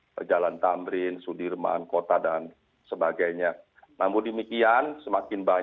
jalan jalan kami tutup khususnya di tempat tempat yang berpotensi menimbulkan keramaian seperti di jalan tanah